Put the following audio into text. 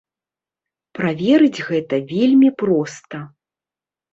Праверыць гэта вельмі проста.